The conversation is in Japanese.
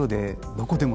どこでも！